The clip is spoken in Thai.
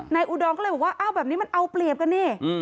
อุดรก็เลยบอกว่าอ้าวแบบนี้มันเอาเปรียบกันนี่